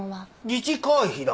自治会費だ。